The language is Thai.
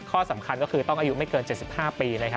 ข้อสำคัญก็คือต้องอายุไม่เกิน๗๕ปี